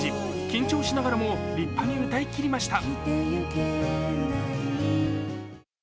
緊張しながらも、立派に歌いきりました。